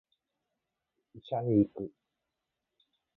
医者に行く